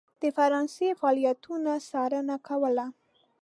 د فرانسې فعالیتونو څارنه کوله.